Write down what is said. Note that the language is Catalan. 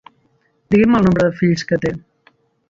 Digui'm el nombre de fills que té.